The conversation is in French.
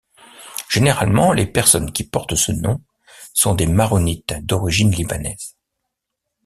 Généralement les personnes qui portent ce nom sont des maronites d'origine libanaise.